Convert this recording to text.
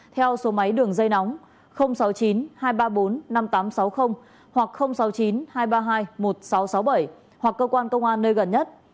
theo số máy đường dây nóng sáu mươi chín hai trăm ba mươi bốn năm nghìn tám trăm sáu mươi hoặc sáu mươi chín hai trăm ba mươi hai một nghìn sáu trăm sáu mươi bảy hoặc cơ quan công an nơi gần nhất